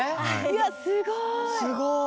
いやすごい！